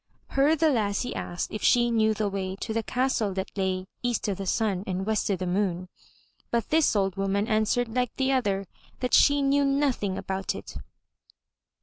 Her the lassie asked if she knew the way to the castle that lay EAST O' THE SUN AND WEST O' THE MOON, but this old woman answered like the other, that she knew nothing about it.